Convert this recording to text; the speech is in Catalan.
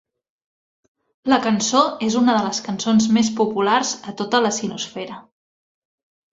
La cançó és una de les cançons més populars a tota la sinosfera.